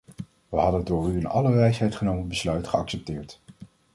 We hadden het door u in alle wijsheid genomen besluit geaccepteerd.